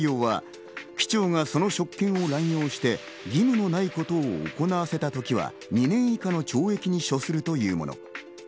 内容は機長がその職権を濫用して義務のないことを行わせた時は２年以下の懲役に処するというもの。